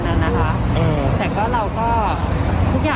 และรายที่๓๔๕เลยนะครับเจนนี่